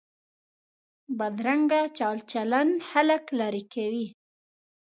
بدرنګه چال چلند خلک لرې کوي